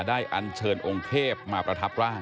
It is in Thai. ได้อัญเชิญองเทพมาประทับร่าง